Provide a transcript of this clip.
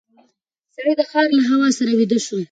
سړی د سهار له هوا سره ویده شو.